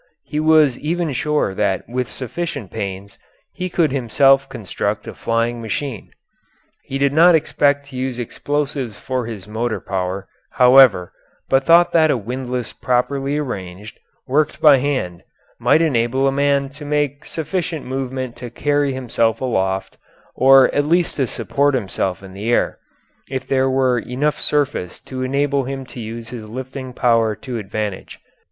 He was even sure that with sufficient pains he could himself construct a flying machine. He did not expect to use explosives for his motor power, however, but thought that a windlass properly arranged, worked by hand, might enable a man to make sufficient movement to carry himself aloft or at least to support himself in the air, if there were enough surface to enable him to use his lifting power to advantage.